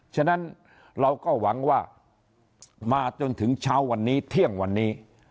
ฉะนั้นเราก็หวังว่ามาจนถึงเช้าวันนี้เที่ยงวันนี้